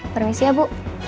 permisi ya bu